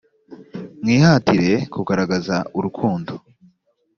mwihatire kugaragaza urukundo